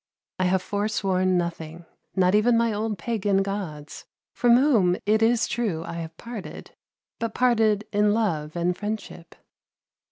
I have forsworn nothing not even my old pagan gods, from whom it is true I have parted, but parted in love and friendship."